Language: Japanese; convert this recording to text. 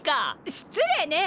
失礼ね！